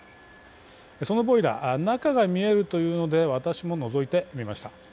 そのボイラー中が見えるということで私ものぞいてみました。